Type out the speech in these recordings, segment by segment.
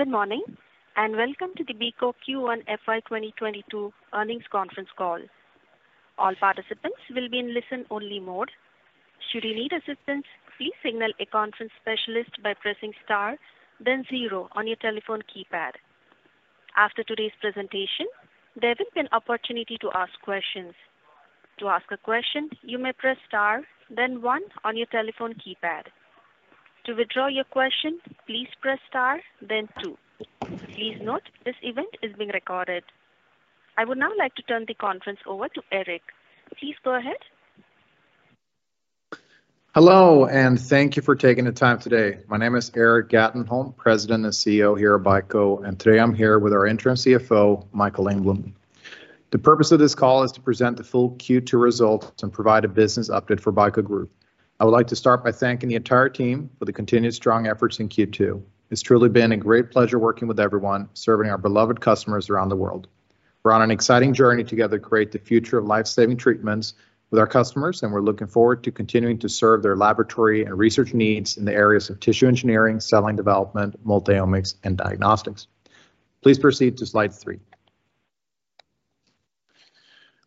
Good morning, and welcome to the BICO Q1 FY 2022 earnings conference call. All participants will be in listen-only mode. Should you need assistance, please signal a conference specialist by pressing star then zero on your telephone keypad. After today's presentation, there will be an opportunity to ask questions. To ask a question, you may press star then one on your telephone keypad. To withdraw your question, please press star then two. Please note this event is being recorded. I would now like to turn the conference over to Erik. Please go ahead. Hello, and thank you for taking the time today. My name is Erik Gatenholm, President and CEO here at BICO, and today I'm here with our Interim CFO, Mikael Engblom. The purpose of this call is to present the full Q2 results and provide a business update for BICO Group. I would like to start by thanking the entire team for the continued strong efforts in Q2. It's truly been a great pleasure working with everyone, serving our beloved customers around the world. We're on an exciting journey together to create the future of life-saving treatments with our customers, and we're looking forward to continuing to serve their laboratory and research needs in the areas of tissue engineering, cell line development, multi-omics, and diagnostics. Please proceed to slide 3.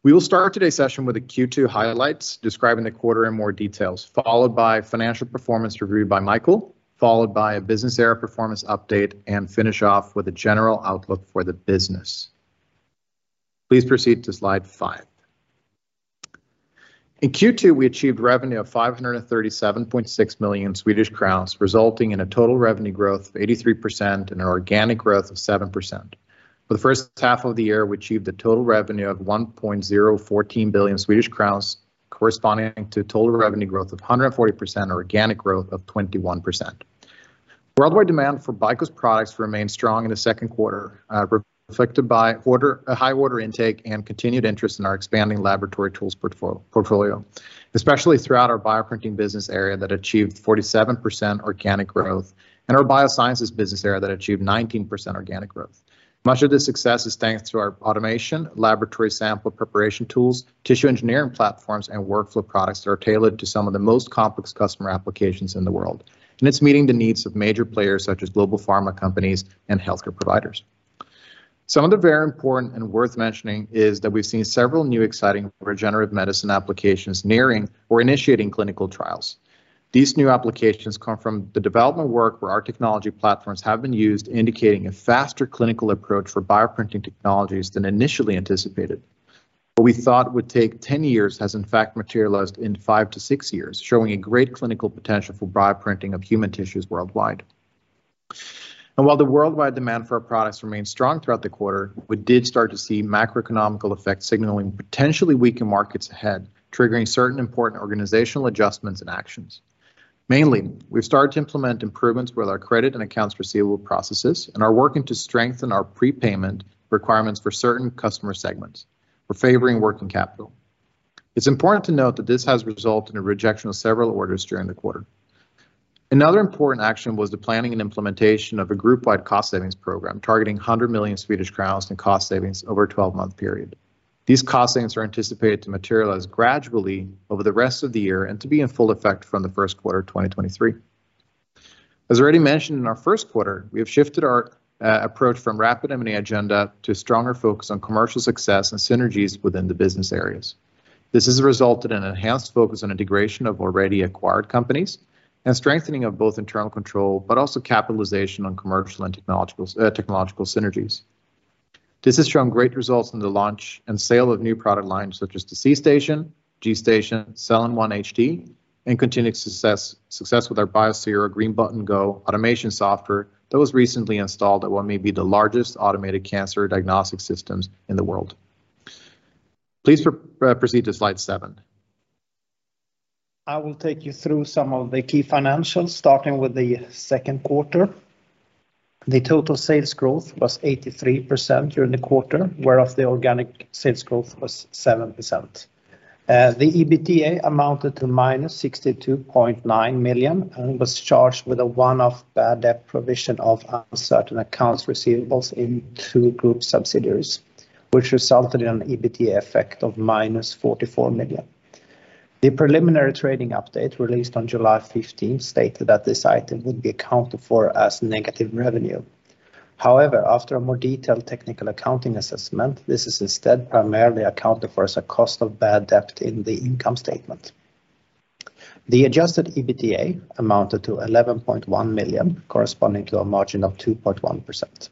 We will start today's session with the Q2 highlights describing the quarter in more details, followed by financial performance reviewed by Michael, followed by a business area performance update, and finish off with a general outlook for the business. Please proceed to slide 5. In Q2, we achieved revenue of 537.6 million Swedish crowns, resulting in a total revenue growth of 83% and an organic growth of 7%. For the first half of the year, we achieved a total revenue of 1.014 billion Swedish crowns, corresponding to total revenue growth of 140% organic growth of 21%. Worldwide demand for BICO's products remained strong in the second quarter, reflected by order. A high order intake and continued interest in our expanding laboratory tools portfolio, especially throughout our bioprinting business area that achieved 47% organic growth and our biosciences business area that achieved 19% organic growth. Much of this success is thanks to our automation, laboratory sample preparation tools, tissue engineering platforms, and workflow products that are tailored to some of the most complex customer applications in the world. It's meeting the needs of major players such as global pharma companies and healthcare providers. Some of the very important and worth mentioning is that we've seen several new exciting regenerative medicine applications nearing or initiating clinical trials. These new applications come from the development work where our technology platforms have been used, indicating a faster clinical approach for bioprinting technologies than initially anticipated. What we thought would take 10 years has in fact materialized into five to six years, showing a great clinical potential for bioprinting of human tissues worldwide. While the worldwide demand for our products remained strong throughout the quarter, we did start to see macroeconomic effects signaling potentially weaker markets ahead, triggering certain important organizational adjustments and actions. Mainly, we've started to implement improvements with our credit and accounts receivable processes and are working to strengthen our prepayment requirements for certain customer segments. We're favoring working capital. It's important to note that this has resulted in a rejection of several orders during the quarter. Another important action was the planning and implementation of a group-wide cost savings program targeting 100 million Swedish crowns in cost savings over a 12-month period. These cost savings are anticipated to materialize gradually over the rest of the year and to be in full effect from the first quarter of 2023. As already mentioned in our first quarter, we have shifted our approach from rapid M&A agenda to stronger focus on commercial success and synergies within the business areas. This has resulted in enhanced focus on integration of already acquired companies and strengthening of both internal control, but also capitalization on commercial and technological synergies. This has shown great results in the launch and sale of new product lines such as the C.STATION, G.STATION, cellenONE HD, and continued success with our Biosero Green Button Go automation software that was recently installed at what may be the largest automated cancer diagnostic systems in the world. Please proceed to slide 7. I will take you through some of the key financials, starting with the second quarter. The total sales growth was 83% during the quarter, whereof the organic sales growth was 7%. The EBITDA amounted to -62.9 million and was charged with a one-off bad debt provision of uncertain accounts receivable in two group subsidiaries, which resulted in an EBITDA effect of -44 million. The preliminary trading update released on July 15th stated that this item would be accounted for as negative revenue. However, after a more detailed technical accounting assessment, this is instead primarily accounted for as a cost of bad debt in the income statement. The adjusted EBITDA amounted to 11.1 million, corresponding to a margin of 2.1%.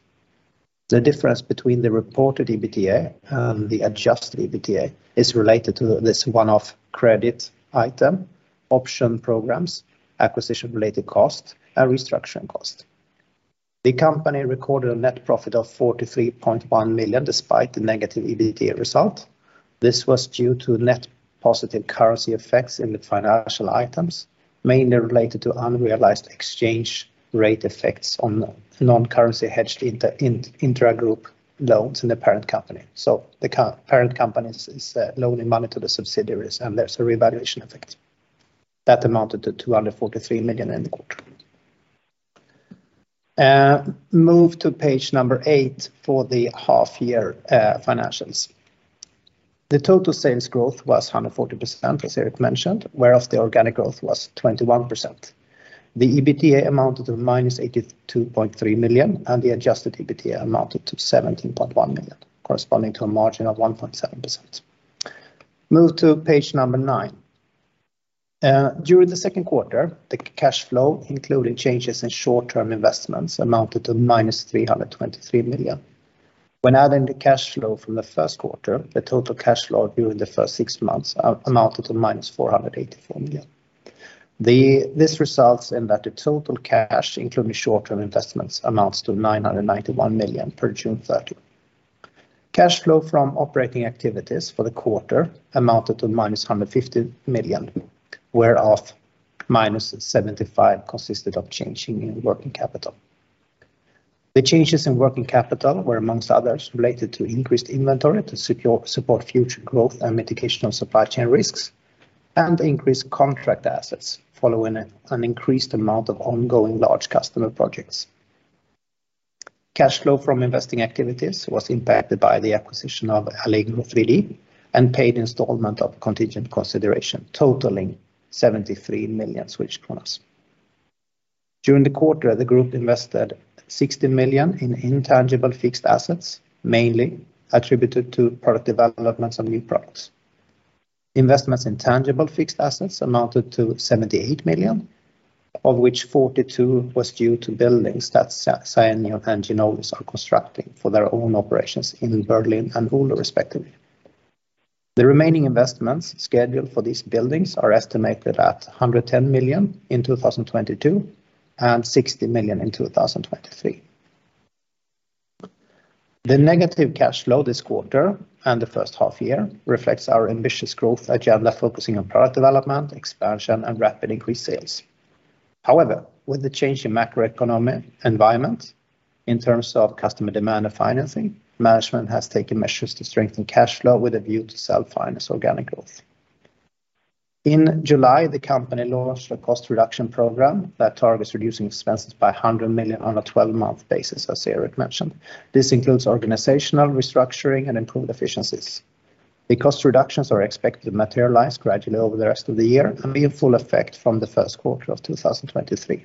The difference between the reported EBITDA and the adjusted EBITDA is related to this one-off credit item, option programs, acquisition-related cost, and restructuring cost. The company recorded a net profit of 43.1 million despite the negative EBITDA result. This was due to net positive currency effects in the financial items, mainly related to unrealized exchange rate effects on non-currency hedged intra-group loans in the parent company. The parent company is loaning money to the subsidiaries, and there's a revaluation effect. That amounted to 243 million in the quarter. Move to page eight for the half-year financials. The total sales growth was 140%, as Erik mentioned, whereas the organic growth was 21%. The EBITDA amounted to -82.3 million, and the adjusted EBITDA amounted to 17.1 million, corresponding to a margin of 1.7%. Move to page nine. During the second quarter, the cash flow, including changes in short-term investments, amounted to -323 million. When adding the cash flow from the first quarter, the total cash flow during the first six months amounted to -484 million. This results in that the total cash, including short-term investments, amounts to 991 million per June 30. Cash flow from operating activities for the quarter amounted to -150 million, whereof -75 million consisted of change in working capital. The changes in working capital were, among others, related to increased inventory to support future growth and mitigation of supply chain risks and increased contract assets following an increased amount of ongoing large customer projects. Cash flow from investing activities was impacted by the acquisition of Allegro 3D and paid installment of contingent consideration totaling 73 million. During the quarter, the group invested 60 million in intangible fixed assets, mainly attributed to product developments and new products. Investments in tangible fixed assets amounted to 78 million, of which 42 million was due to buildings that Scienion and Ginolis are constructing for their own operations in Berlin and Oulu, respectively. The remaining investments scheduled for these buildings are estimated at 110 million in 2022, and 60 million in 2023. The negative cash flow this quarter and the first half year reflects our ambitious growth agenda, focusing on product development, expansion, and rapid increased sales. However, with the change in macroeconomic environment in terms of customer demand and financing, management has taken measures to strengthen cash flow with a view to self-finance organic growth. In July, the company launched a cost reduction program that targets reducing expenses by 100 million on a 12-month basis, as Erik mentioned. This includes organizational restructuring and improved efficiencies. The cost reductions are expected to materialize gradually over the rest of the year and be in full effect from the first quarter of 2023.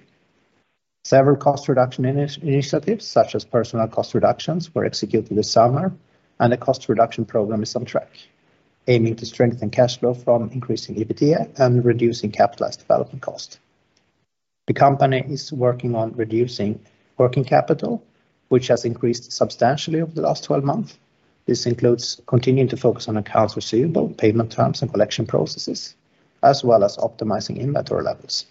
Several cost reduction initiatives, such as personnel cost reductions, were executed this summer, and the cost reduction program is on track, aiming to strengthen cash flow from increasing EBITDA and reducing capitalized development cost. The company is working on reducing working capital, which has increased substantially over the last 12 months. This includes continuing to focus on accounts receivable, payment terms and collection processes, as well as optimizing inventory levels.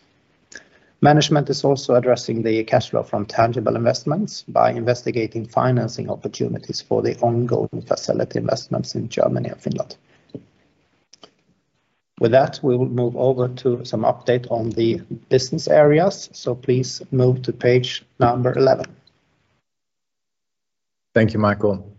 Management is also addressing the cash flow from tangible investments by investigating financing opportunities for the ongoing facility investments in Germany and Finland. With that, we will move over to some update on the business areas. Please move to page number 11. Thank you, Mikael.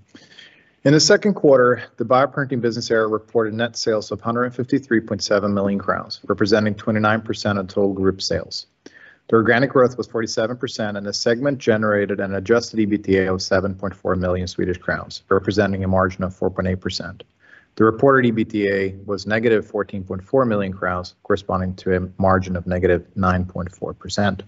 In the second quarter, the Bioprinting business area reported net sales of 153.7 million crowns, representing 29% of total group sales. The organic growth was 47%, and the segment generated an adjusted EBITDA of 7.4 million Swedish crowns, representing a margin of 4.8%. The reported EBITDA was -14.4 million crowns, corresponding to a margin of -9.4%.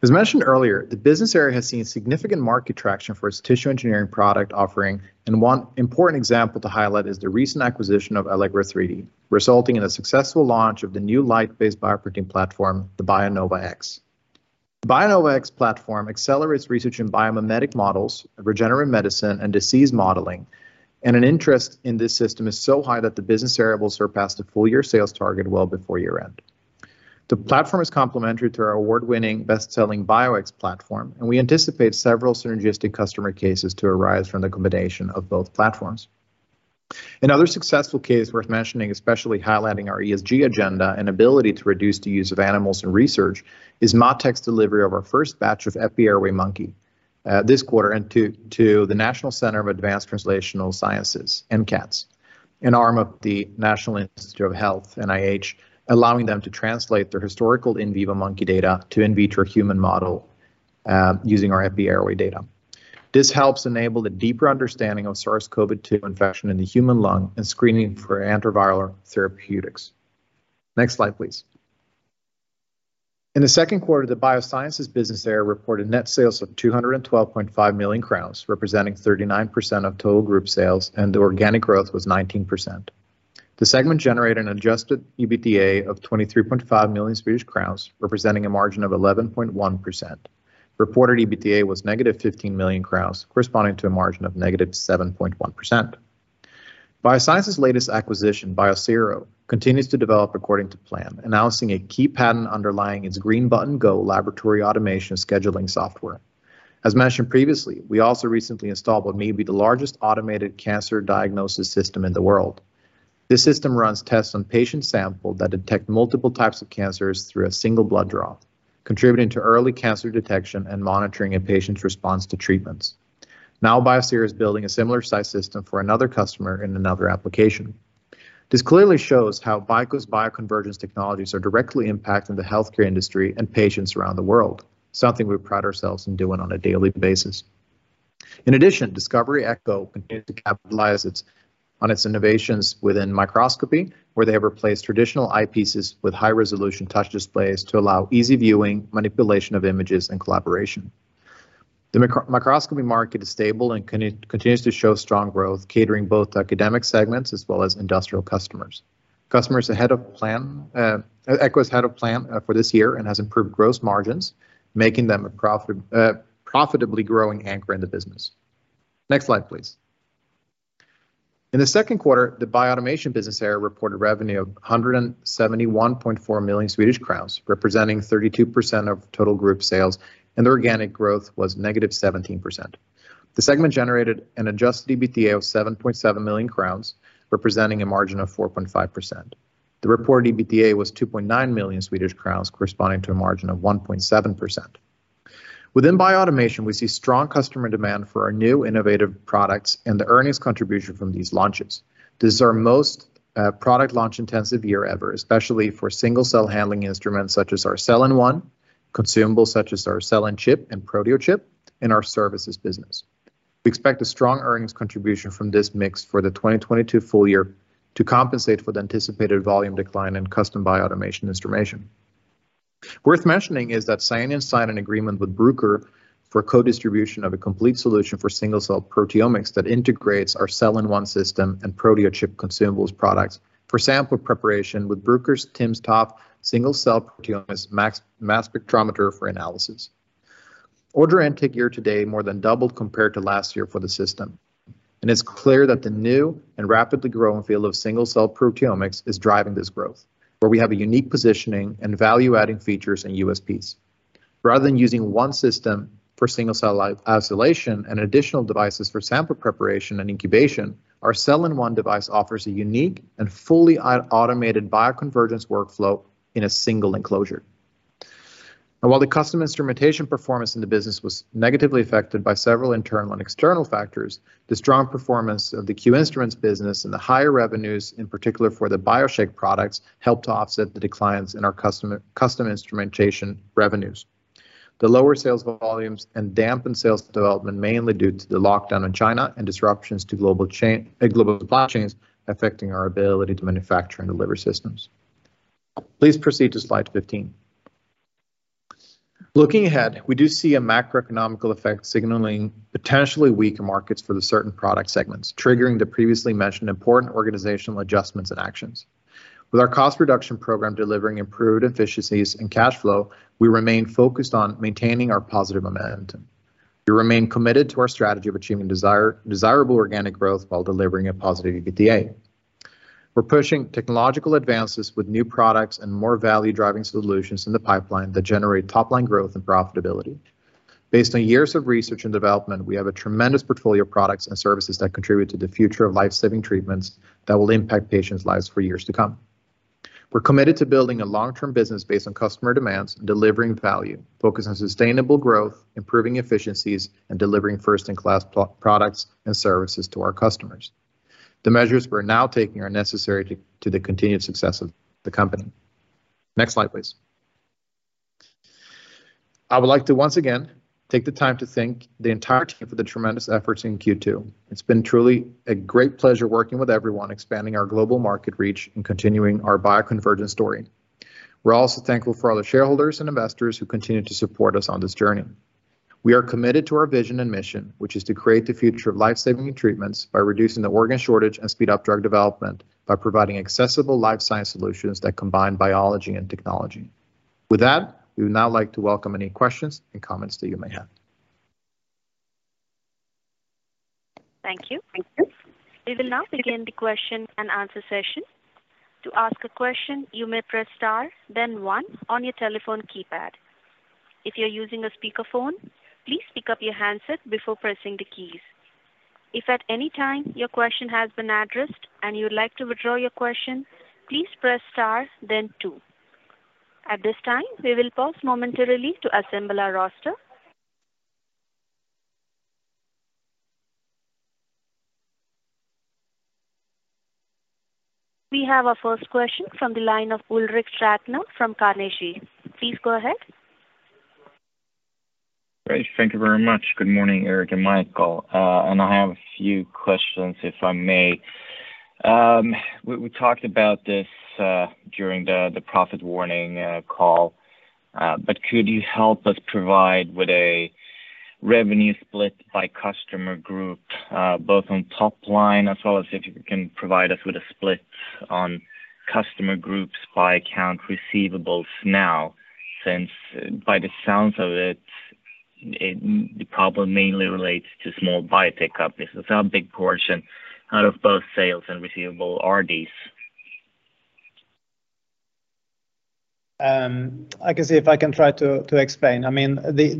As mentioned earlier, the business area has seen significant market traction for its tissue engineering product offering, and one important example to highlight is the recent acquisition of Allegro 3D, resulting in a successful launch of the new light-based bioprinting platform, the BIONOVA X. The BIO X platform accelerates research in biomimetic models, regenerative medicine, and disease modeling. An interest in this system is so high that the business area will surpass the full-year sales target well before year-end. The platform is complementary to our award-winning, best-selling BIO X platform, and we anticipate several synergistic customer cases to arise from the combination of both platforms. Another successful case worth mentioning, especially highlighting our ESG agenda and ability to reduce the use of animals in research, is MatTek's delivery of our first batch of EpiAirway Monkey this quarter to the National Center for Advancing Translational Sciences, NCATS, an arm of the National Institutes of Health, NIH, allowing them to translate their historical in vivo monkey data to in vitro human model using our EpiAirway data. This helps enable the deeper understanding of SARS-CoV-2 infection in the human lung and screening for antiviral therapeutics. Next slide, please. In the second quarter, the Biosciences business area reported net sales of 212.5 million crowns, representing 39% of total group sales, and the organic growth was 19%. The segment generated an adjusted EBITDA of 23.5 million Swedish crowns, representing a margin of 11.1%. Reported EBITDA was -15 million crowns, corresponding to a margin of -7.1%. Biosciences' latest acquisition, Biosero, continues to develop according to plan, announcing a key patent underlying its Green Button Go laboratory automation scheduling software. As mentioned previously, we also recently installed what may be the largest automated cancer diagnosis system in the world. This system runs tests on patient samples that detect multiple types of cancers through a single blood draw, contributing to early cancer detection and monitoring a patient's response to treatments. Now, Biosero is building a similar size system for another customer in another application. This clearly shows how BICO's bioconvergence technologies are directly impacting the healthcare industry and patients around the world, something we pride ourselves in doing on a daily basis. In addition, Discover Echo continued to capitalize on its innovations within microscopy, where they have replaced traditional eyepieces with high-resolution touch displays to allow easy viewing, manipulation of images, and collaboration. The microscopy market is stable and continues to show strong growth, catering both academic segments as well as industrial customers. Customers ahead of plan, Echo is ahead of plan for this year and has improved gross margins, making them a profitably growing anchor in the business. Next slide, please. In the second quarter, the Bioautomation business area reported revenue of 171.4 million Swedish crowns, representing 32% of total group sales, and the organic growth was -17%. The segment generated an adjusted EBITDA of 7.7 million crowns, representing a margin of 4.5%. The reported EBITDA was 2.9 million Swedish crowns, corresponding to a margin of 1.7%. Within Bioautomation, we see strong customer demand for our new innovative products and the earnings contribution from these launches. This is our most product launch intensive year ever, especially for single-cell handling instruments such as our cellenONE, consumables such as our cellenCHIP and proteoCHIP, and our services business. We expect a strong earnings contribution from this mix for the 2022 full year to compensate for the anticipated volume decline in custom Bioautomation instrumentation. Worth mentioning is that Cellenion signed an agreement with Bruker for co-distribution of a complete solution for single-cell proteomics that integrates our cellenONE system and proteoCHIP consumables products for sample preparation with Bruker's timsTOF single-cell proteomics mass spectrometer for analysis. Order intake year-to-date more than doubled compared to last year for the system. It's clear that the new and rapidly growing field of single-cell proteomics is driving this growth, where we have a unique positioning and value-adding features and USPs. Rather than using one system for single-cell isolation and additional devices for sample preparation and incubation, our cellenONE device offers a unique and fully automated bioconvergence workflow in a single enclosure. While the custom instrumentation performance in the business was negatively affected by several internal and external factors, the strong performance of the Q Instruments business and the higher revenues, in particular for the BioShake products, helped to offset the declines in our customer, custom instrumentation revenues. The lower sales volumes and dampened sales development mainly due to the lockdown in China and disruptions to global supply chains affecting our ability to manufacture and deliver systems. Please proceed to slide 15. Looking ahead, we do see a macroeconomic effect signaling potentially weaker markets for certain product segments, triggering the previously mentioned important organizational adjustments and actions. With our cost reduction program delivering improved efficiencies and cash flow, we remain focused on maintaining our positive momentum. We remain committed to our strategy of achieving desirable organic growth while delivering a positive EBITDA. We're pushing technological advances with new products and more value-driving solutions in the pipeline that generate top-line growth and profitability. Based on years of research and development, we have a tremendous portfolio of products and services that contribute to the future of life-saving treatments that will impact patients' lives for years to come. We're committed to building a long-term business based on customer demands and delivering value, focused on sustainable growth, improving efficiencies, and delivering first-in-class products and services to our customers. The measures we're now taking are necessary to the continued success of the company. Next slide, please. I would like to once again take the time to thank the entire team for the tremendous efforts in Q2. It's been truly a great pleasure working with everyone, expanding our global market reach and continuing our bioconvergent story. We're also thankful for all the shareholders and investors who continue to support us on this journey. We are committed to our vision and mission, which is to create the future of life-saving treatments by reducing the organ shortage and speed up drug development by providing accessible life science solutions that combine biology and technology. With that, we would now like to welcome any questions and comments that you may have. Thank you. We will now begin the question-and-answer session. To ask a question, you may press star then one on your telephone keypad. If you're using a speakerphone, please pick up your handset before pressing the keys. If at any time your question has been addressed and you would like to withdraw your question, please press star then two. At this time, we will pause momentarily to assemble our roster. We have our first question from the line of Ulrik Trattner from Carnegie. Please go ahead. Great. Thank you very much. Good morning, Erik and Mikael. I have a few questions, if I may. We talked about this during the profit warning call, but could you help us provide with a revenue split by customer group, both on top line as well as if you can provide us with a split on customer groups by accounts receivable now, since by the sounds of it, the problem mainly relates to small biotech companies. How big portion out of both sales and receivable are these? I can see if I can try to explain. I mean, the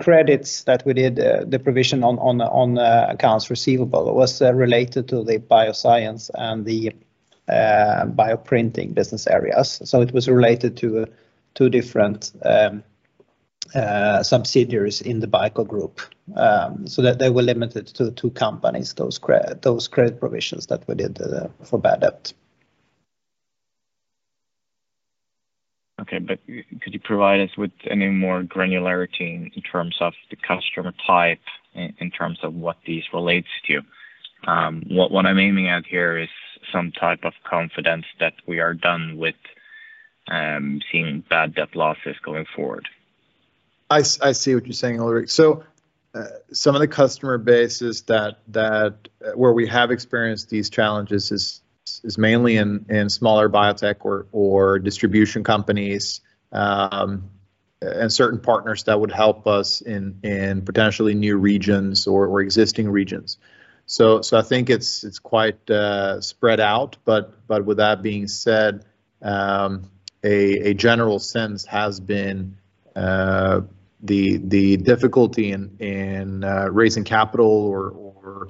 credits that we did, the provision on accounts receivable was related to the Biosciences and the Bioprinting business areas. It was related to two different Subsidiaries in the BICO Group. They were limited to two companies, those credit provisions that we did for bad debt. Okay. Could you provide us with any more granularity in terms of the customer type in terms of what these relates to? What I'm aiming at here is some type of confidence that we are done with seeing bad debt losses going forward. I see what you're saying, Ulrik. Some of the customer base is that where we have experienced these challenges is mainly in smaller biotech or distribution companies, and certain partners that would help us in potentially new regions or existing regions. I think it's quite spread out. With that being said, a general sense has been the difficulty in raising capital or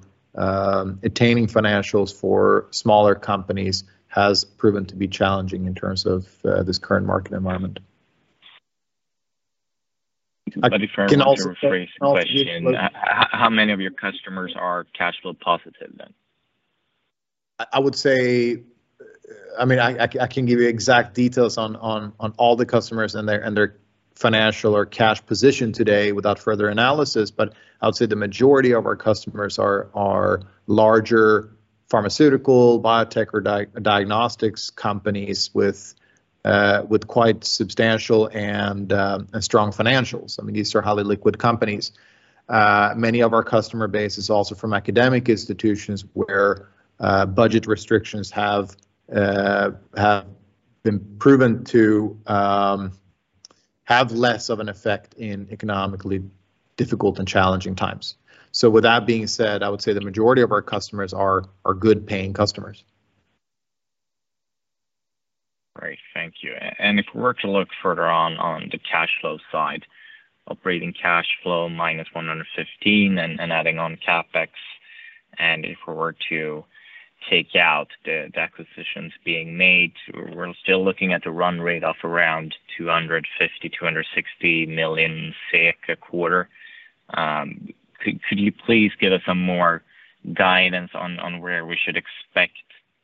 attaining financing for smaller companies has proven to be challenging in terms of this current market environment. If I may rephrase the question. How many of your customers are cash flow positive then? I would say I mean, I can give you exact details on all the customers and their financial or cash position today without further analysis. I would say the majority of our customers are larger pharmaceutical, biotech or diagnostics companies with quite substantial and strong financials. I mean, these are highly liquid companies. Many of our customer base is also from academic institutions where budget restrictions have been proven to have less of an effect in economically difficult and challenging times. With that being said, I would say the majority of our customers are good paying customers. Great. Thank you. If we were to look further on the cash flow side, operating cash flow -115, and adding on CapEx, and if we were to take out the acquisitions being made, we're still looking at a run rate of around 250 million-260 million a quarter. Could you please give us some more guidance on where we should expect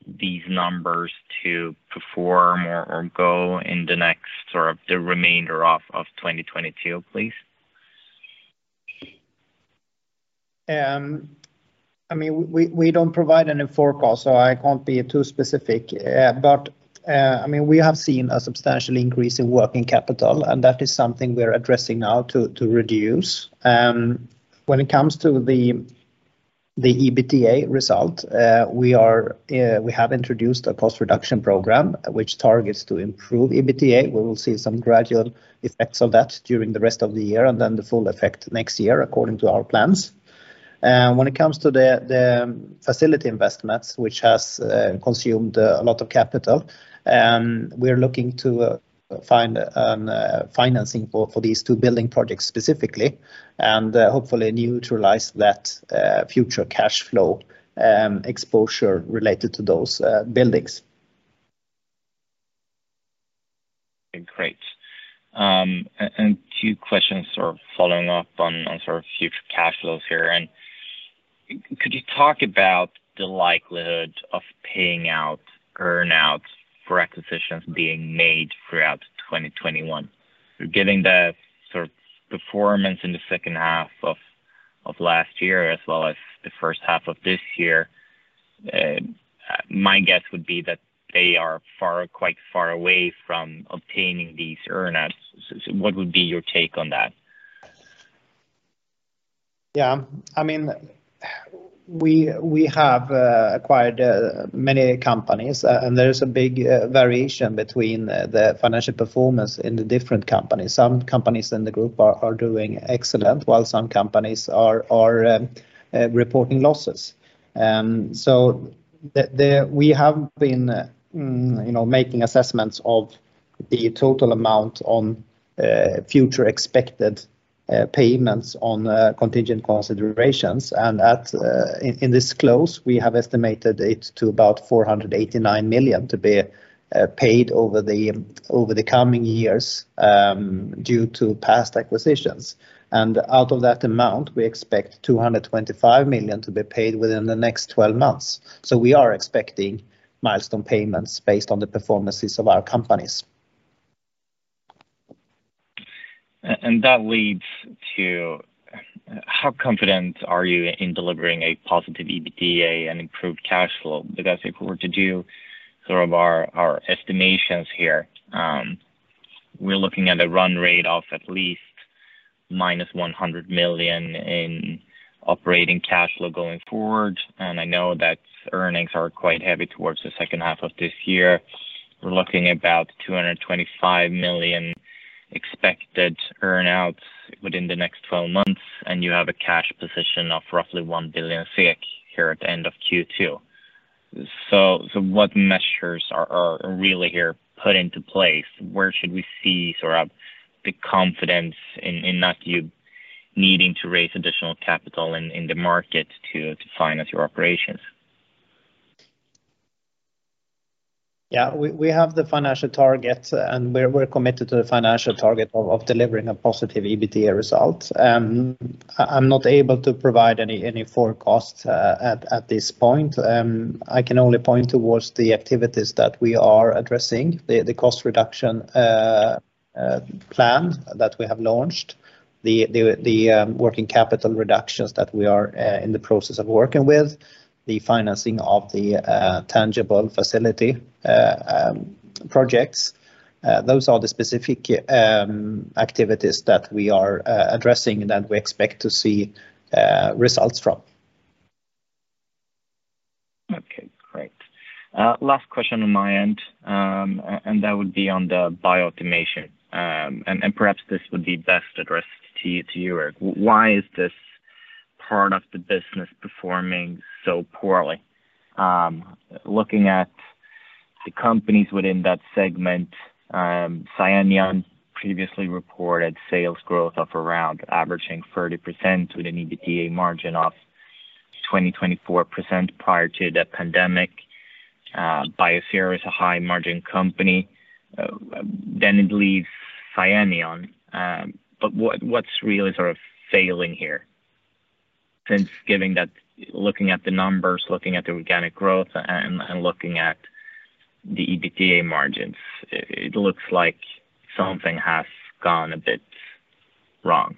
these numbers to perform or go in the next or the remainder of 2022, please? I mean, we don't provide any forecast, so I can't be too specific. I mean, we have seen a substantial increase in working capital, and that is something we're addressing now to reduce. When it comes to the EBITDA result, we have introduced a cost reduction program which targets to improve EBITDA. We will see some gradual effects of that during the rest of the year and then the full effect next year according to our plans. When it comes to the facility investments, which has consumed a lot of capital, we're looking to find a financing for these two building projects specifically, and hopefully neutralize that future cash flow exposure related to those buildings. Great. Two questions sort of following up on sort of future cash flows here. Could you talk about the likelihood of paying out earn-outs for acquisitions being made throughout 2021? Given the sort of performance in the second half of last year as well as the first half of this year, my guess would be that they are far, quite far away from obtaining these earn-outs. What would be your take on that? I mean, we have acquired many companies, and there is a big variation between the financial performance in the different companies. Some companies in the group are doing excellent, while some companies are reporting losses. We have been, you know, making assessments of the total amount on future expected payments on contingent considerations. In this close, we have estimated it to about 489 million to be paid over the coming years due to past acquisitions. Out of that amount, we expect 225 million to be paid within the next 12 months. We are expecting milestone payments based on the performances of our companies. That leads to how confident are you in delivering a positive EBITDA and improved cash flow? Because if we were to do sort of our estimations here, we're looking at a run rate of at least minus 100 million in operating cash flow going forward. I know that earnings are quite heavy towards the second half of this year. We're looking about 225 million expected earn-outs within the next twelve months, and you have a cash position of roughly 1 billion SEK here at the end of Q2. What measures are really here put into place? Where should we see sort of the confidence in not you needing to raise additional capital in the market to finance your operations? Yeah. We have the financial target, and we're committed to the financial target of delivering a positive EBITDA result. I'm not able to provide any forecast at this point. I can only point towards the activities that we are addressing. The cost reduction plan that we have launched. The working capital reductions that we are in the process of working with. The financing of the tangible facility projects. Those are the specific activities that we are addressing and that we expect to see results from. Okay. Great. Last question on my end. That would be on the Bioautomation. Perhaps this would be best addressed to you, Erik. Why is this part of the business performing so poorly? Looking at the companies within that segment, Cellenion previously reported sales growth of around averaging 30% with an EBITDA margin of 20%-24% prior to the pandemic. Biosero is a high margin company. Then it leaves Cellenion. What's really sort of failing here, given that. Looking at the numbers, looking at the organic growth and looking at the EBITDA margins, it looks like something has gone a bit wrong.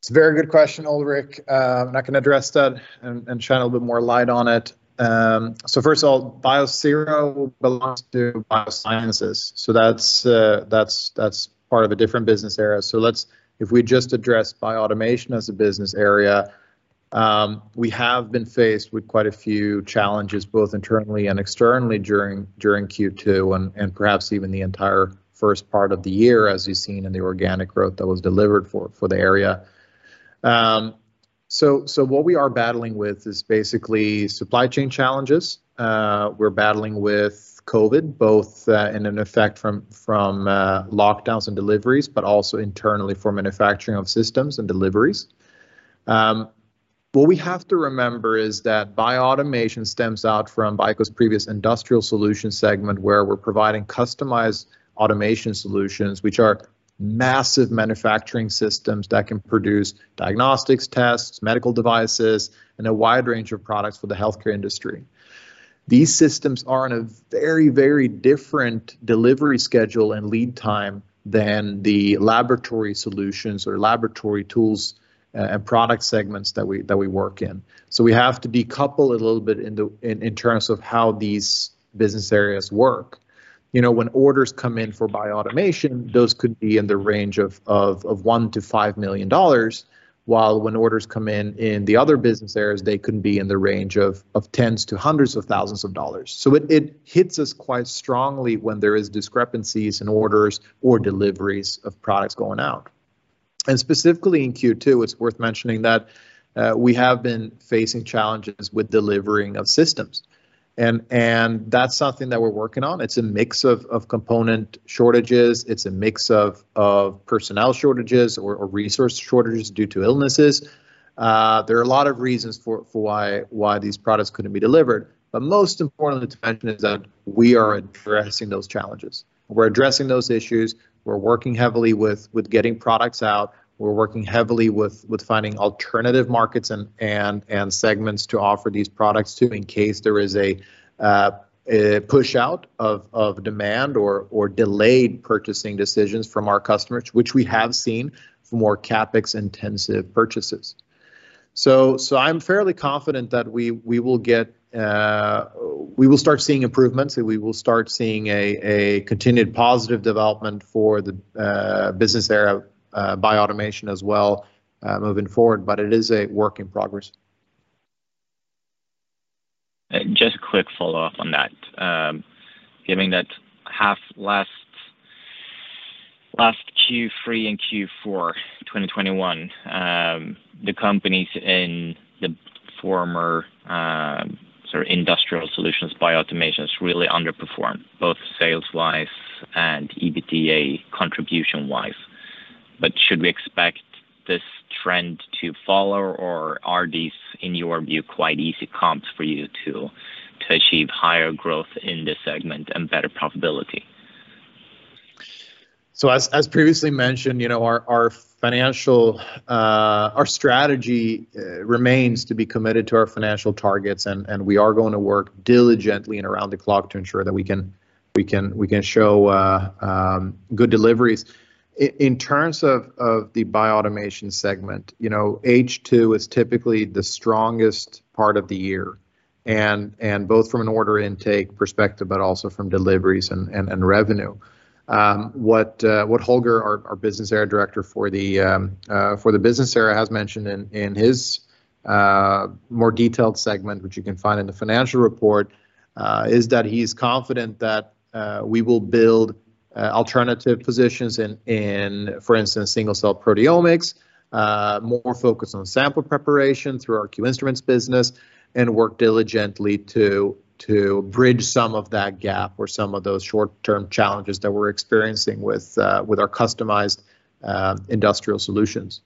It's a very good question, Ulrik. I can address that and shine a bit more light on it. First of all, Biosero belongs to Biosciences, so that's part of a different business area. If we just address Bioautomation as a business area, we have been faced with quite a few challenges both internally and externally during Q2 and perhaps even the entire first part of the year as we've seen in the organic growth that was delivered for the area. What we are battling with is basically supply chain challenges. We're battling with COVID both in effect from lockdowns and deliveries, but also internally for manufacturing of systems and deliveries. What we have to remember is that Bioautomation stems out from BICO's previous industrial solution segment, where we're providing customized automation solutions, which are massive manufacturing systems that can produce diagnostics tests, medical devices, and a wide range of products for the healthcare industry. These systems are on a very, very different delivery schedule and lead time than the laboratory solutions or laboratory tools, and product segments that we work in. We have to decouple a little bit in terms of how these business areas work. You know, when orders come in for Bioautomation, those could be in the range of $1 million-$5 million. While when orders come in the other business areas, they could be in the range of tens to hundreds of thousands of dollars. It hits us quite strongly when there is discrepancies in orders or deliveries of products going out. Specifically in Q2, it's worth mentioning that we have been facing challenges with delivering of systems. That's something that we're working on. It's a mix of component shortages, personnel shortages or resource shortages due to illnesses. There are a lot of reasons for why these products couldn't be delivered. Most importantly to mention is that we are addressing those challenges. We're addressing those issues. We're working heavily with getting products out. We're working heavily with finding alternative markets and segments to offer these products to in case there is a push-out of demand or delayed purchasing decisions from our customers, which we have seen for more CapEx-intensive purchases. I'm fairly confident that we will start seeing improvements, and we will start seeing a continued positive development for the business area Bioautomation as well, moving forward. It is a work in progress. Just a quick follow-up on that. Given that Q3 and Q4 2021, the companies in the former sort of industrial solutions Bioautomation has really underperformed both sales-wise and EBITDA contribution-wise. Should we expect this trend to follow, or are these, in your view, quite easy comps for you to achieve higher growth in this segment and better profitability? As previously mentioned, you know, our financial. Our strategy remains to be committed to our financial targets, and we are gonna work diligently and around the clock to ensure that we can show good deliveries. In terms of the Bioautomation segment, you know, H2 is typically the strongest part of the year, and both from an order intake perspective, but also from deliveries and revenue. What Holger, our business area director for the business area has mentioned in his more detailed segment, which you can find in the financial report, is that he's confident that we will build alternative positions in, for instance, single-cell proteomics. More focus on sample preparation through our Q Instruments business and work diligently to bridge some of that gap or some of those short-term challenges that we're experiencing with our customized industrial solutions.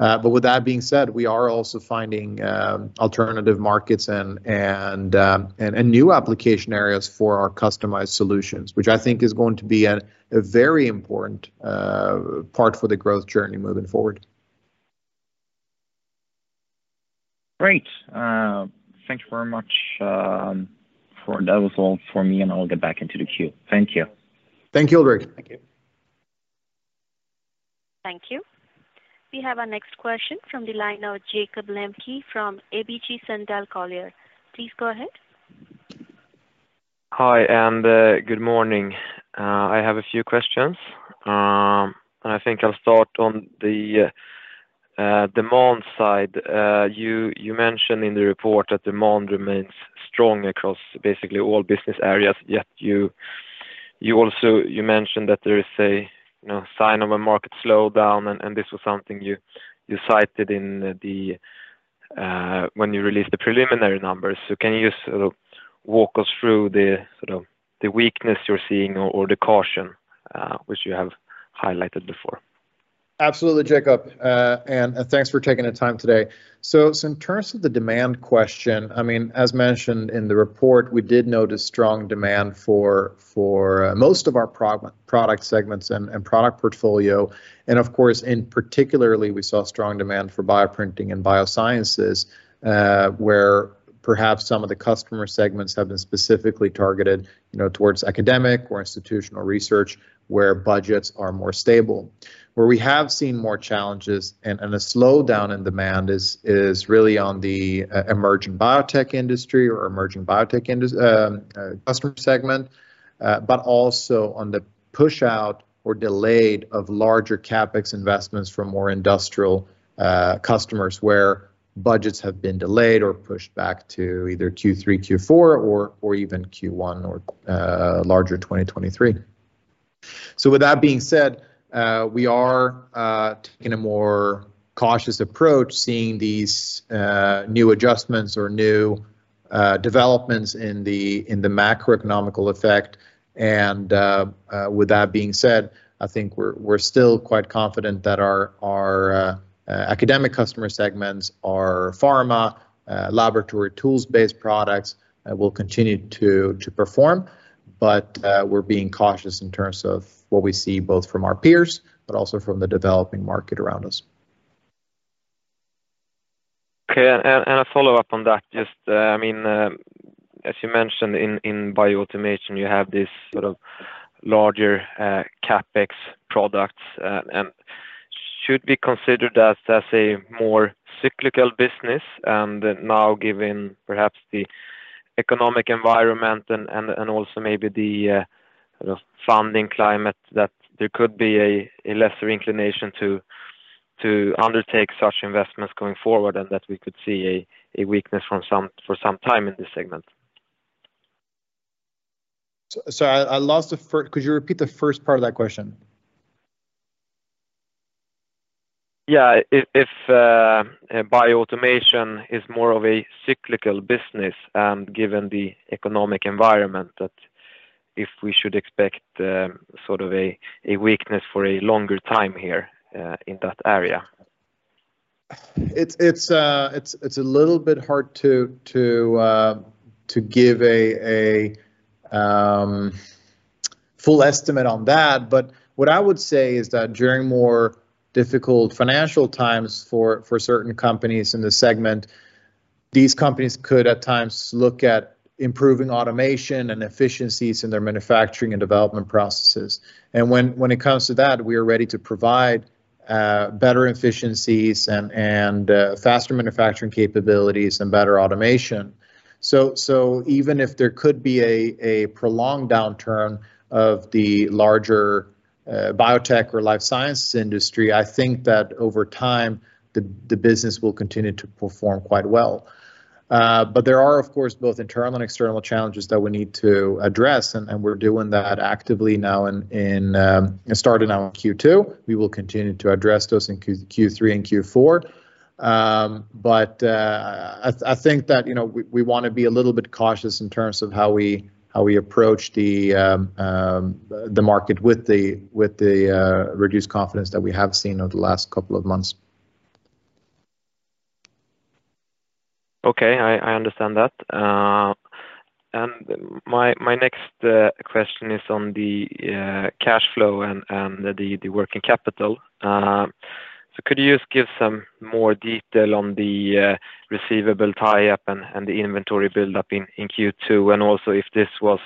With that being said, we are also finding alternative markets and new application areas for our customized solutions, which I think is going to be a very important part for the growth journey moving forward. Great. Thank you very much for that. That was all for me, and I'll get back into the queue. Thank you. Thank you, Ulrik. Thank you. Thank you. We have our next question from the line of Jacob Lembke from ABG Sundal Collier. Please go ahead. Hi, good morning. I have a few questions. I think I'll start on the demand side. You mentioned in the report that demand remains strong across basically all business areas. Yet you also mentioned that there is a, you know, sign of a market slowdown, and this was something you cited in the when you released the preliminary numbers. Can you sort of walk us through the sort of weakness you're seeing or the caution which you have highlighted before? Absolutely, Jakob. Thanks for taking the time today. In terms of the demand question, I mean, as mentioned in the report, we did notice strong demand for most of our product segments and product portfolio. Of course, in particular we saw strong demand for bioprinting and biosciences, where perhaps some of the customer segments have been specifically targeted, you know, towards academic or institutional research where budgets are more stable. We have seen more challenges and a slowdown in demand is really on the emerging biotech industry or emerging biotech customer segment, but also on the push out or delay of larger CapEx investments from more industrial customers where budgets have been delayed or pushed back to either Q3, Q4 or even Q1 or later 2023. With that being said, we are taking a more cautious approach, seeing these new adjustments or new developments in the macroeconomic effects. With that being said, I think we're still quite confident that our academic customer segments, our pharma laboratory tools-based products, will continue to perform. We're being cautious in terms of what we see both from our peers but also from the developing market around us. Okay. A follow-up on that. Just, I mean, as you mentioned in Bioautomation, you have this sort of larger CapEx products and should be considered as a more cyclical business. Now given perhaps the economic environment and also maybe the sort of funding climate, that there could be a lesser inclination to undertake such investments going forward and that we could see a weakness for some time in this segment. Could you repeat the first part of that question? Yeah. If Bioautomation is more of a cyclical business and given the economic environment, that if we should expect sort of a weakness for a longer time here in that area. It's a little bit hard to give a full estimate on that. But what I would say is that during more difficult financial times for certain companies in the segment, these companies could at times look at improving automation and efficiencies in their manufacturing and development processes. When it comes to that, we are ready to provide better efficiencies and faster manufacturing capabilities and better automation. Even if there could be a prolonged downturn of the larger biotech or life sciences industry, I think that over time, the business will continue to perform quite well. But there are, of course, both internal and external challenges that we need to address, and we're doing that actively now, starting now in Q2. We will continue to address those in Q3 and Q4. I think that, you know, we wanna be a little bit cautious in terms of how we approach the market with the reduced confidence that we have seen over the last couple of months. Okay. I understand that. My next question is on the cash flow and the working capital. Could you just give some more detail on the receivable tie-up and the inventory build-up in Q2, and also if this was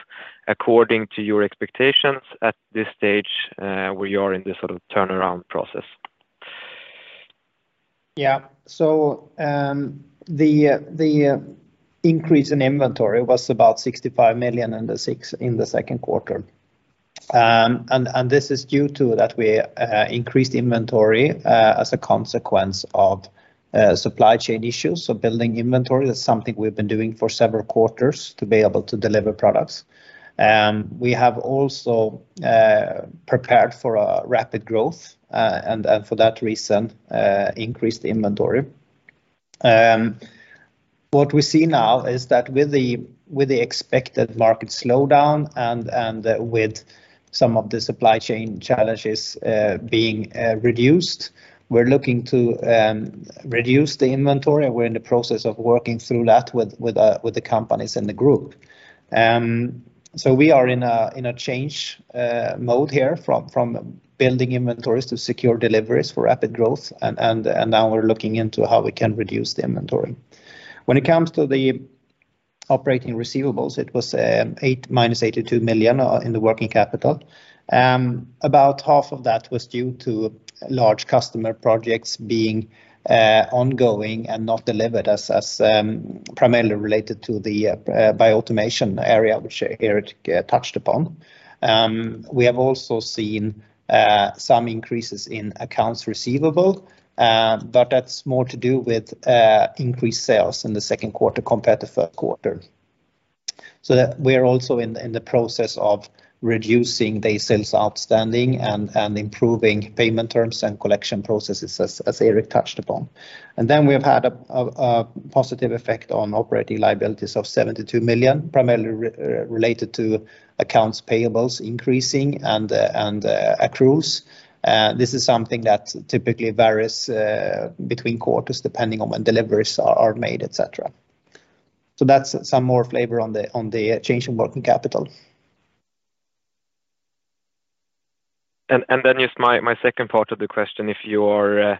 according to your expectations at this stage, where you are in this sort of turnaround process? Yeah. The increase in inventory was about 65 million in the second quarter. This is due to that we increased inventory as a consequence of supply chain issues. Building inventory, that's something we've been doing for several quarters to be able to deliver products. We have also prepared for a rapid growth, and for that reason, increased inventory. What we see now is that with the expected market slowdown and with some of the supply chain challenges being reduced, we're looking to reduce the inventory. We're in the process of working through that with the companies in the group. We are in a change mode here from building inventories to secure deliveries for rapid growth. Now we're looking into how we can reduce the inventory. When it comes to the operating receivables, it was minus 82 million in the working capital. About half of that was due to large customer projects being ongoing and not delivered, primarily related to the Bioautomation area, which Erik touched upon. We have also seen some increases in accounts receivable, but that's more to do with increased sales in the second quarter compared to first quarter. We are also in the process of reducing Days Sales Outstanding and improving payment terms and collection processes as Erik touched upon. We have had a positive effect on operating liabilities of 72 million, primarily related to accounts payables increasing and accruals. This is something that typically varies between quarters depending on when deliveries are made, et cetera. That's some more flavor on the change in working capital. Just my second part of the question, if you are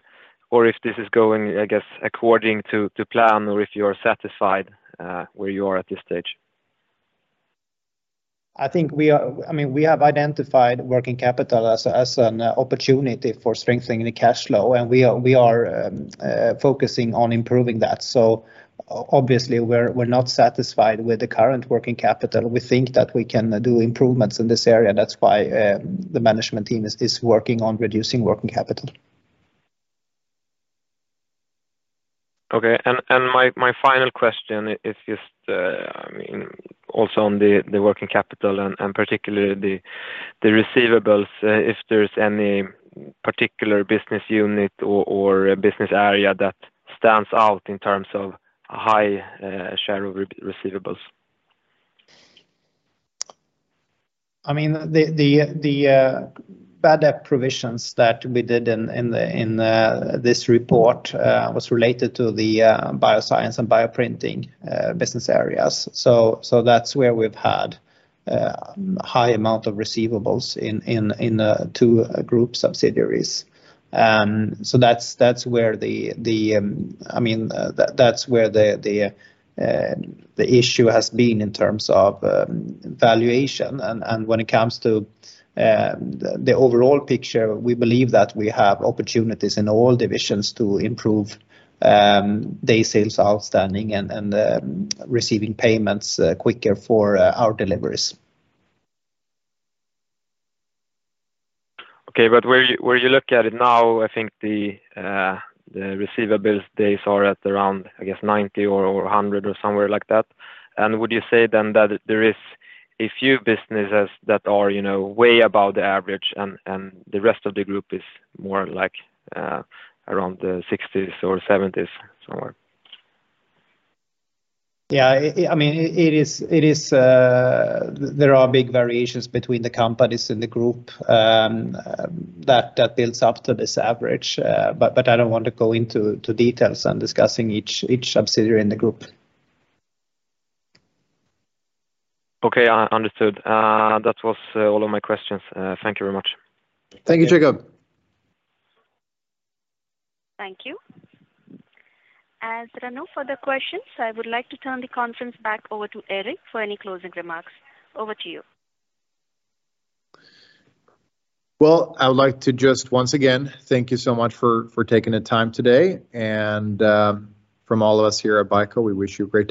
or if this is going, I guess, according to plan, or if you are satisfied where you are at this stage? I mean, we have identified working capital as an opportunity for strengthening the cash flow, and we are focusing on improving that. Obviously, we're not satisfied with the current working capital. We think that we can do improvements in this area. That's why the management team is working on reducing working capital. Okay. My final question is just, I mean, also on the working capital and particularly the receivables, if there's any particular business unit or a business area that stands out in terms of high share of receivables? I mean, bad debt provisions that we did in this report was related to the Biosciences and Bioprinting business areas. That's where we've had high amount of receivables in two Group subsidiaries. That's where the issue has been in terms of valuation. When it comes to the overall picture, we believe that we have opportunities in all divisions to improve Days Sales Outstanding and receiving payments quicker for our deliveries. Okay. Where you look at it now, I think the receivables days are at around, I guess, 90 or 100 or somewhere like that. Would you say then that there is a few businesses that are way above the average and the rest of the group is more like around the 60s or 70s somewhere? Yeah, I mean, it is. There are big variations between the companies in the group that builds up to this average. I don't want to go into the details on discussing each subsidiary in the group. Okay. Understood. That was all of my questions. Thank you very much. Thank you, Jakob. Thank you. As there are no further questions, I would like to turn the conference back over to Erik for any closing remarks. Over to you. Well, I would like to just once again thank you so much for taking the time today. From all of us here at BICO, we wish you a great day.